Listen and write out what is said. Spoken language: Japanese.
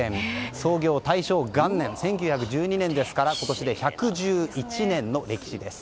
創業大正元年１９１２年ですから今年で１１１年の歴史です。